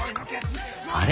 あれ？